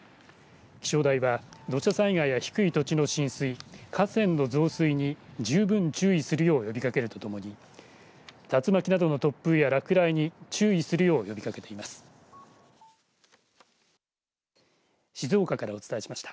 気象台は土砂災害や低い土地の浸水河川の増水に十分注意するよう呼びかけるとともに竜巻などの突風や落雷に注意するよう呼びかけています。